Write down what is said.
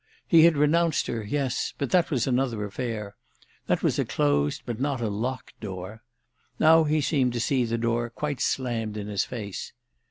He had renounced her, yes; but that was another affair—that was a closed but not a locked door. Now he seemed to see the door quite slammed in his face.